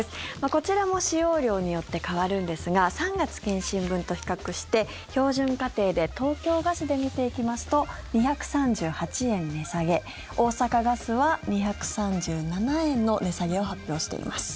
こちらも使用量によって変わるんですが３月検針分と比較して標準家庭で東京ガスで見ていきますと２３８円値下げ大阪ガスは２３７円の値下げを発表しています。